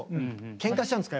ケンカしちゃうんですか？